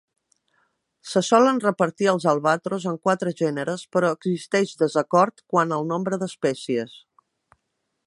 Se solen repartir els albatros en quatre gèneres, però existeix desacord quant al nombre d'espècies.